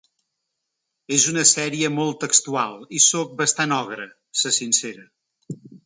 És una sèrie molt textual i sóc bastant ogre, se sincera.